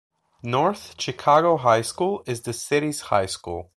North Chicago High School is the city's high school.